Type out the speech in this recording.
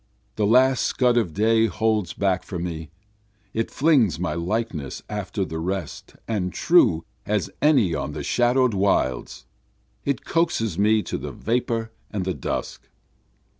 The last scud of day holds back for me, It flings my likeness after the rest and true as any on the shadow'd wilds, It coaxes me to the vapor and the dusk.